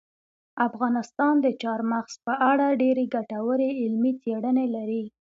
افغانستان د چار مغز په اړه ډېرې ګټورې علمي څېړنې لري.